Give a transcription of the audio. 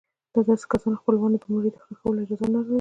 د داسې کسانو خپلوانو د مړي د ښخولو اجازه نه لرله.